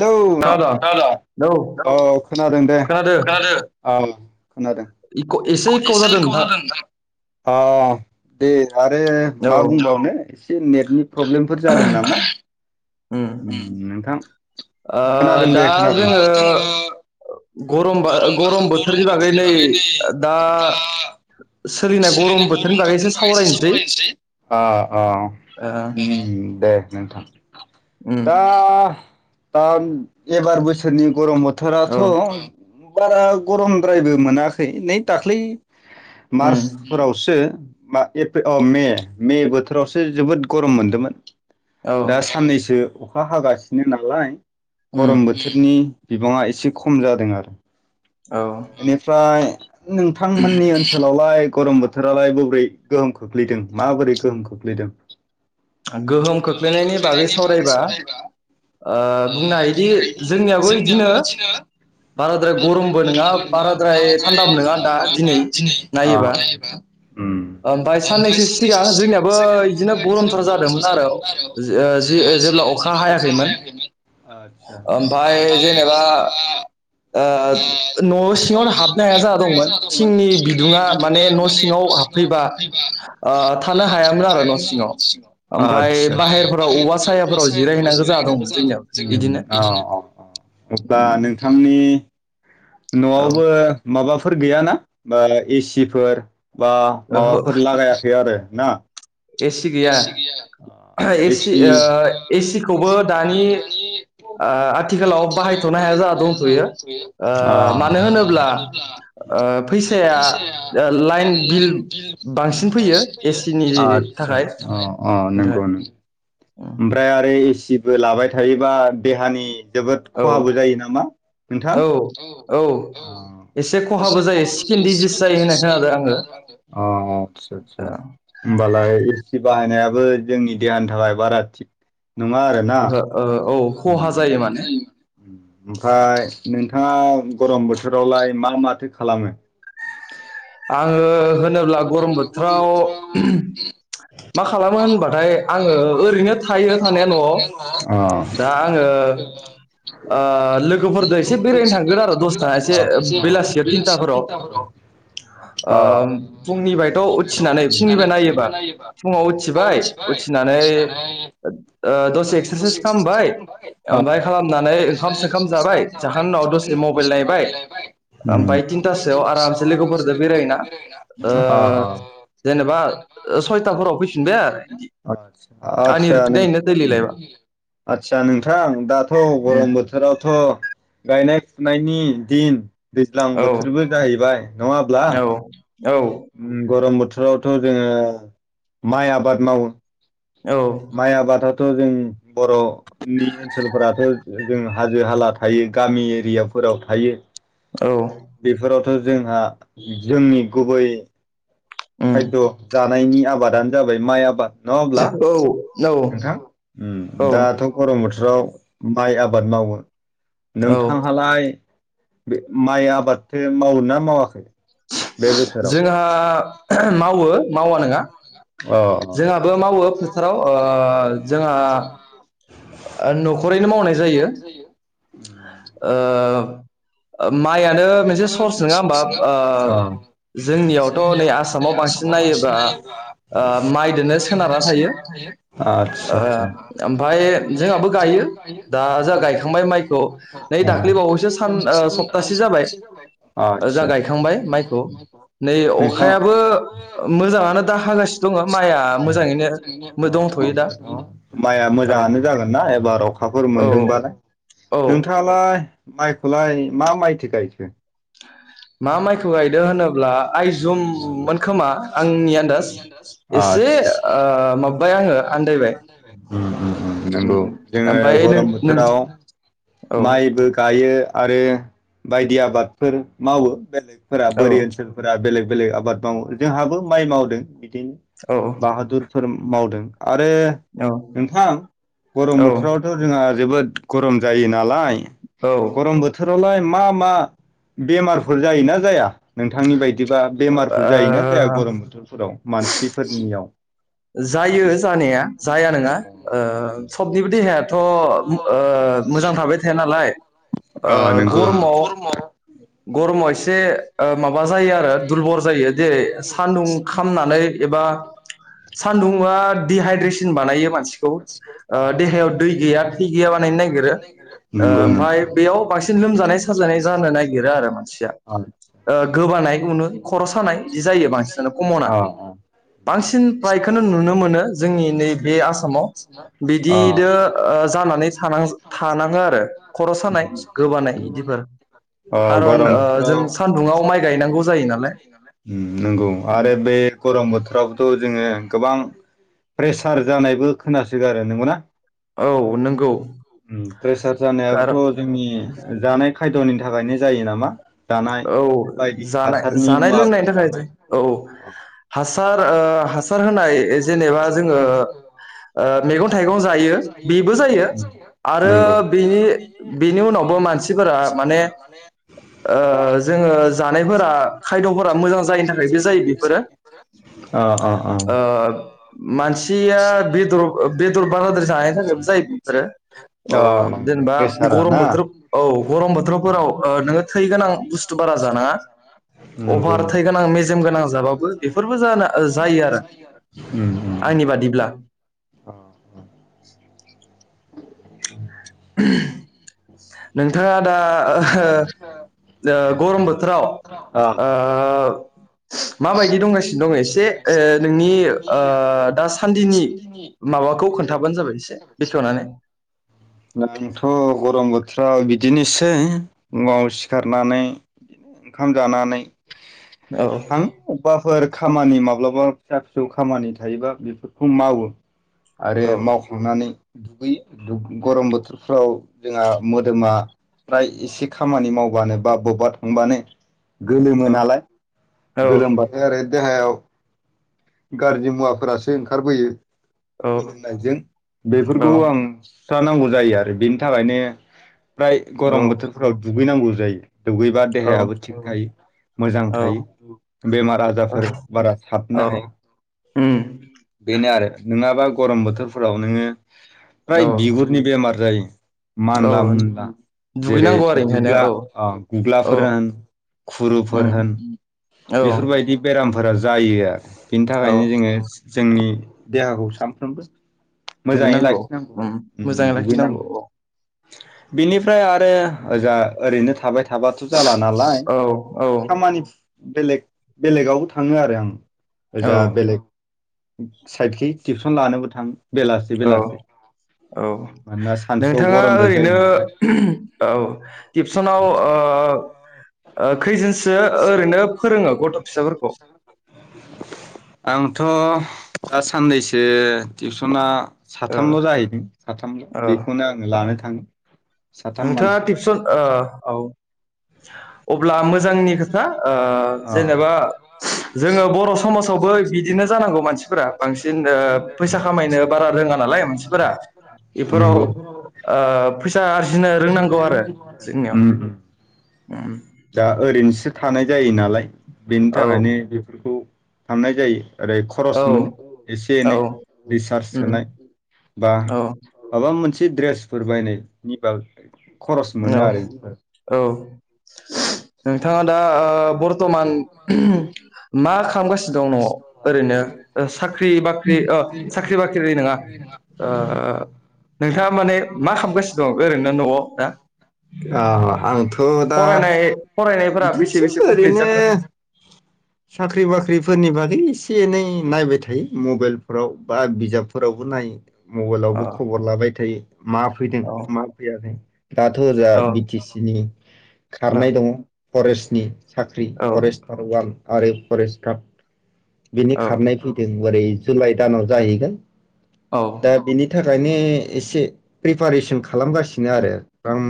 Hello खोनादों खोनादोंना आदा? औ खोनादों दे खोनादो खोनादों? औ खोनादों इक' एसे इख इक' 'इसे इख' जादों नोंथां अ' अ' दे आरो औ मा बुंबावनो एसे नेटनि प्रब्लेमफोर जादों नामा उम नोंथां ओ खोनादों दा जोंङो ग'रम बा ग'रम बोथोरनि बागै नै दा सोलिनाय ग'रम बोथोरनि बागै एसे सावरायनोसै अ' अ' ओ उम दे नोंथां उम दा दा एबार बोसोरनि ग'रम थोराथ' औ बारा ग'रमद्रायबो मोनाखै नै दाख्लै उम मार्चफोरावसो मा एप्रे अ मे मे बोथोरावसो जोबोद गरम मोनदोंमोन औ दा साननैसो अखा हागासिनो नालाय उम गरम बोथोरनि बिबांङा एसे खम जादों आरो औ बेनिफ्राय नोंथांमोननि ओनसोलावलाय गरम बोथोरालाय बोरै गोहोम खोख्लैदों माबोरै गोहोम खोख्लैदों? गोहोम खोख्लैनायनि बागै सावरायबा ओ बुंनो हायोदि जोंनियावबो बिदिनो भारत बाराद्राया गरमबो नंङा बाराद्राय एखान्दाब नंङा दा दिनै नायोबा जायोबा ओम ओमफ्राय साननैसो सिगां जेनेबा बिदिनो गरमसो जादोंमोन आरो जब्ला अखा हायाखैमोन आसा ओमफफ्राय जेनेबा ओ न' सिङावनो हाबनो हाया दंमोन थिंनि बिदुङा माने न' सिङाव हाब फैब्ला थांनो हायामोन न' सिङाव आरो न' ओमफाय सिङाव बाहेरफोराव औवा आ सायाफोराव बाहेरफोराव जिरायहैनांगौ जाना दंमोन अबबा जोंनियाव सायाफोराव इदिनो जिरायहैनांगौ जोंनि उम अब्ला नोंथांनि औ न'आवबो माबा फोर गैयाना बा एसिफोर बा ओहो माबाफोर लागायाखै आरो ना एसि गैया एसि एसिखौबो एसिखोबो ओ दानि आथिखालाव बाहायथनो हाया दंथयो ओ मानो होनोब्ला फैसाया लाइन बिल बांसिन फैयो ऐसि आतसा थाखाय अ ओमफ्राय नंगौ नोंगौ। ओनफ्राय आ ओइ एसिबो लाबाय थायोबा देहानि जोबोद औ खहाबो जायो नामा नोंथां औ औ एसे खहाबो जायो स्किन देजिस होननाय खोनादों ब। आंङो अ आतसा आतसा आ हबालाय एसि बाहायनाया बो जोंनि देहानि थाखाय बारा थिग नंङा आरो ना औ ओहो ओ औ खहा माने जायो माने ओमफ्राय नोंथां नोंथाङा गरम बोथोरावलाय मा माथो खालामो? आङो होनोब्ला गरम बोथोराव मा खालामो होनबाथाय आङो ओरैनो थायो थानाया न' अ दा आङो ओ लोगोफोरजों एसे बेरायनो थांगोन आरो दसथा एसे बेलासियाव तिनथाफोराव। ओ फुंनिफ्रायथ' उथिनानै फुंनिफ्राय नायोबा फुङाव उथिबाय उथिनानै ओ दसे एक्सारसाइस खालामबाय ओमफ्राय खालामनानै ओंखाम सोखाम जाबाय जाखांनायनि उनाव दसे मबाइल नायबाय ओमफ्राय थिनथासोआव आरामसे लोगोफोरजों बेरायोना ओ जेनेबा सयथाफोराव फैफिनबाय आरो बिदि आ आंनि आतसा रुटिन जायोना दैलि लाइफआ आतसा नोंथां दाथ' उम गरम बोथोरावथ' गायनाय फुनायनि दिन दैज्लां औ बोथोरबो जाहैबाय नङाब्ला औ गरम बो बोथोरावथ' जोङो माइ आबाद मावो औ माइ आबादा थ' जों बर'नि ओनसोलफोराथ' जों हाजो हाला थायो गामि एरियाफोराव थायो। औ बिफोराव जोंहा जोंनि गुबै उम खायद' जा जानायनि आबादानो जाबाय माइ आबाद। न' अब्ला औ नोंथां औ औ ओम दाथ' गरम बोथोराव माइ आबाद मावो। औ नोंथांहालाय बे माइ आबादथो मावो ना मावाखै बे बोसोराव जोंहा मावो मावा नोंङा अ जोंहाबो मावो फोथाराव ओ जोंहा आं न'खरैनो मावनाय जायो माइयानो ओ माइयानो मोनसे सर्स नङा होमबा ओ अ जोंनियावथ' नै आसामाव बांसिन नायोब्ला ओ माइदोनो सोनारना थायो आतसा ओ आतसा ओमफाय जोंहाबो गायो दा अ जों गायखांबाय माइखौ नै दाख्लिबावैसो सान सप्तासे [unintelligible] जाबाय ना जोंहा गायखांबाय माइखौ नै अखायाबो मोजाङानो दा हागासिनो दङ माइआ मोजाङैनो दंथ'यो दा औ एबार अखाफोर मोनदोंबा ना औ औ नोंथाङालाय माइ खलाय मा माइथो गायो [inaudible] मा माइखौ गायो दो होनोब्ला आइजुम मोन खोमा आंनि आनदआस एसे आदस इसे ओ माबाबाय आङो मोनबाय आंङो आन्दायबाय आनदायबाय उम उम नोंगौ जोङो ओमफ्राय नों गरम नों बोथोराव औ माइबो गायो। आरो बायदि आबादफोर मावो। बेलेगफोरा औ बोरि ओनसोलफोरा बेलेग बेलेग आबाद मावो जोंहाबो माइ मावदों बि दि बाहादुरफोर मावदों आरो औ नोंथां गरम औ बोथोरावथ' जोंहा जोबोद गरम जायो नालाय औ ओ गरम बोथोरावलाय मा मा बेमारफोर जायोना जाया? नोंथांनि बायदिबा बेमारफोर जायोना जाया गरम बोथोरफोराव मानसिफोरनियाव? औ जायो जानाया जाया नङा ओ सबनिबो देहायाथ' मोजां थाबाय थाया नालाय ओ ओ गरमाव [unintelligible] माबा जायो आरो दुरबल जायो जेरै सानदुं खामनानै एबा सानदुंङा डिहाइद्रेसन बानायो मानसिखौ अ ओ देहायाव दै गैया थै गैया बानायनो नागिरो ओ नंगौ ओमफाय बेयाव बांसिन नंगौ लोमजानाय साजानाय जानो ना गिरो आरो मानसिया अ ओ गोबानाय यावनो खर' सानाय इदि जायो बांसिनानो कमना अ बांसिन फ्रायखोनो नुनो मोनो जोंनि नैबे आसा माव बिदिदो ओ जा [unintelligible] खर' सानाय गोबानाय अ ओ खारन गरम जों बोथोराव सानदुंङाव माइ गाय नांगौ जायो नालाय नंगौ आरो बे गरम बोथोरावबोथ' जोङो गोबां प्रेसार जानायबो खोनासो गारो नोंगौ ना? औ नोंगौ प्रेसार जानायाबोथ' जोंनि जानाय खायद'नि थाखायनो जायो नामा? जानाय औ बायदि जानाय हासारनि जानाय मुवाफोर लोंनायनि थाखाय जानाय औ हासार ओ हासार होनाय जेनेबा जोङो ओ मेगं थाइगं जायो बेबो जायो। आरो बिनि बिनि उनावबो मानसिफोरा माने ओ ओ जोङो जानायफोरा खायद'फोरा मोजां जायिनि थाखायबो जायो बेफोरो अ अ अ ओ मानसिया बेदर बेदर बाराद्राय जानायनि थाखायबो जायो बेफोरो ओ अ जेनेबा प्रेसारा गरम ना बोथोर औ गरम बोथोरफोराव ओ नोङो थैगोन आं बुसथु बारा जानाङा नंगौ अभार नों थै गोनां मेजेमगोनां जाबाबो बेफोरबो जायो आरो उम उम आंनि बादिब्ला अ गरम बोथोराव नों नोंथाङा दा गरम बोथोराव अ ओ अ माबायदि दंगासिनो दङ एसे नोंनि ओ दासान्दिनि माबाखौ खोन्थाबानो जाबाय एसे बेखेवनानै दानोथ' गरम बोथ ओ बोथोराव बिदिनोसै फुङाव सिखारनानै बिदिनो ओंखाम जानानै औ थां अबबाफोर खामानि माब्लाबा फिसा फिसौ खामानि थायोबा बेफोरखौ मावो आरो औ मावख्लांनानै दुबै गरम बोथोरफ्राव जोंहा मोदोमा फ्राय एसे खामानि मावबानो बा बबेबा थांबानो गोलोमो औ नालाय औ गोलोमबाथाय ओरै देहायाव गाज्रि मुवाफोरासो ओंखारबोयो औ गोलोमनायजों बेफोरखौ आं सुस्रा नांगौ जायो आरो बेनि थाखायनो प्राय औ गरम बोथोरफ्राव दुगैनांगौ जायो दुगैबा देहायाबो थिग जायो मोजां औ थायो बेमार आजारफोर बारा साबनो औ हाया उम बेनो आरो नोङाबा गरम बोथोरफोराव नोङो फ्राय औ बिगुरनि बेमार ब्रै औ मानला मुला जेरै दुगैनांगौ आरो ओंखायनो गुग्ला औ औ गुग्लाफोर होन खुरुफोर उम होन औ बेफोरबायदि बेरामफोर फोर जायो आरो बिनि औ थाखायनो जोङो जोंनि देहाखौ सानफ्रोमबो मोजाङै दुगैनांगौ लाखिनांगौ ओम मोजाङै लाखिनांगौ अ बिनिफ्राय आरो जा ओरैनो थाबाय थाबाथ' जाला नालाय औ औ खामानि बेलेग बेलेगाव थाङो आरो आं जा बेलेग साइदखै टिउसन लानोबो थांङो। बेलासे औ बेलासे औ नोंथाङा गरमद्राय जायो ओरैनो नालाय उम औ टिपसनाव ओ खैजनसो ओरैनो फो रोङो गथ' फिसाफोरखौ आं थ' दा साननैसो टिपसना ओ साथामल' जाहैदों साथामल' ओ बेखौनो आंङो औ लानो थांङो। नोंथाङा टिपसन ओ औ अब्ला मोजांनि खोथा ओ जेनेबा जोङो बर' समाजावबो बिदिनो जानांगौ मानसिफोरा बांसिन ओ फैसा खामायनो बारा रोङा नालाय मानसिफोरा बेफोराव नंगौ फैसा ओ उम आरजि उम उम दा ओ रैनोसो थानाय जायो नालाय। बेनि औ थाखायनो बेफोरखौ खामनाय जायो। ओरै खरस औ मोनो एसे औ एनै रिसार्च उम सोनाय बा औ माबा मोनसे एसे ड्रेसफोर बायनाय नि बा खरस औ मोनो आरो औ नोंथाङा दा ओ बरथ'मान मा खालामगासिनो दं न'आव ओरैनो साख्रि बाख्रि ओ साख्रि बाख्रि नङा ओ नोंथाङा माने मा खालामगासिनो दं ओरैनो न'आव दा? आं आंथ' थ' दा फरायनाय फरायनायफोरा बेसे बिदिनोसै बेसे कमप्लिट ओरैनो जाखो साख्रि बाख्रि फोरनि बागै एसे एनै नायबाय थायो मबाइलफोराव बा बिजाबफोरावबो नायो। अ मबाइलावबो खबर लाबाय थायो। मा फैदों औ मा फैयाखै। दाथ' जा औ बिटिसि नि खारनाय दङ। फरेस्टनि साख्रि औ फरेस्टार वान आरे [unintelligible] फरेस्ट काप बिनि औ खारनाय फैदों ओरै जुलाइ दानाव जाहैगोन। औ दा बिनि थाखाय नो एसे प्रिपारेसन खालामगासिनो आरो आम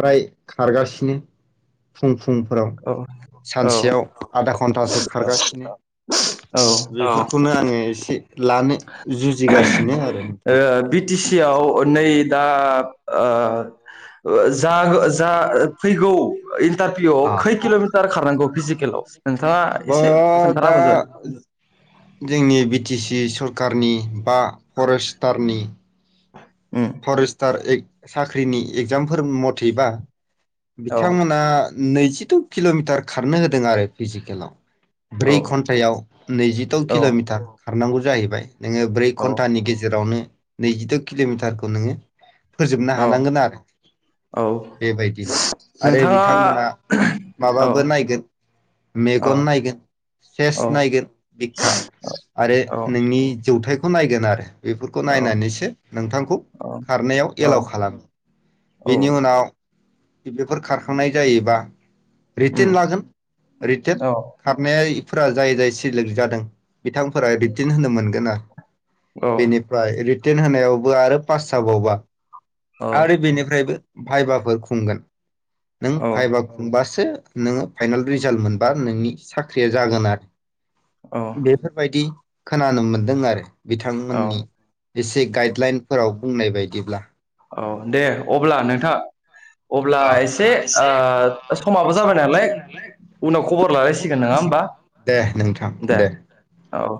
फ्राय खारगासिनो फुं फुंफोराव औ सानसेयाव आधा घन्टासो औ खारगा बेफोरखौनो आङो एसे लानो जुजिगासिनो आरो ओ नोंथां बि टि सि आव नै दा ओ जा जा फैगौ इन्टारभिउआव खै किल'मिटार खारनांगौ फिजिकेलाव नोंथाङा बा एसे खोन्थाना दा होबानो जाबाय कारनि बा फरेस्टारनि उम फरेस्टार ए साख्रिनि एगजामफोर मथेबा औ बिथांमोना नैजिद' किल'मिटार खारनो होदों आरो फिजिकेलाव ब्रै घन्टायाव नैजिद' औ किल'मिटार। खारनांगौ जाहैबाय। नोङो ब्रै औ घन्टानि गेजेरावनो नैजिद' किल'मिटार नोङो फोजोबनो औ हानांगोन आरो औ बेबायदिनो आरो नोंथाङा बिथांमोना औ माबाबो नायगोन औ मेगन नायगोन सेस औ नायगोन बिखा आरो औ नोंनि जौथायाइखौ खौ नायगोन आरो बेफोरखौ नायनानैसो नोंथांखौ औ खारनायाव औ एलाव खालामो औ बेनि उनाव बेफोर खारखांनाय जायोबा रिटन उम लागोन रिटन औ खारनाया फोर जायै जायै सिलेक जादों। बिथांफोरा रिटिन होनो मोनगोन ना औ बेनिफ्राय टेन होनायावबो आरो पाससा बावौबा आरो बेनिफ्रायबो भायबाफोर खुंगोन नों औ भाइबा खुंबासो नोंङो फाइनाल रिजाल्ट मोनबा नोंनि साख्रिया जागोन आरो औ बेफोरबायदि खोनानो मोनदों आरो बिथांमोननि औ एसे गाइडलाइन फोराव बुंनाय बायदिब्ला औ दे अब्ला नोंथाङा अब्ला एसे समाबो जाबाय नालाय उनाव खबर लालायसिगोन नोंङा होमबा दे नोंथां दे औ